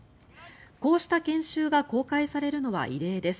こうした研修が公開されるのは異例です。